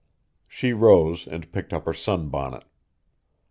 She rose and picked up her sunbonnet.